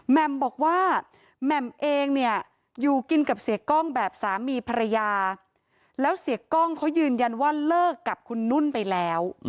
มบอกว่าแหม่มเองเนี่ยอยู่กินกับเสียกล้องแบบสามีภรรยาแล้วเสียกล้องเขายืนยันว่าเลิกกับคุณนุ่นไปแล้ว